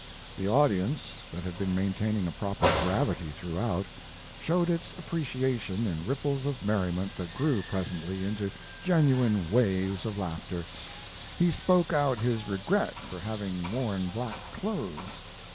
The audience, that had been maintaining a proper gravity throughout, showed its appreciation in ripples of merriment that grew presently into genuine waves of laughter. He spoke out his regret for having worn black clothes.